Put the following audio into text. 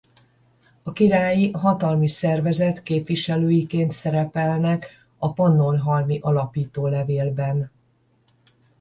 A királyi hatalmi szervezet képviselőiként szerepelnek a pannonhalmi alapítólevélben.